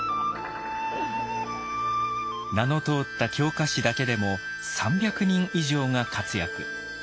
名の通った狂歌師だけでも３００人以上が活躍。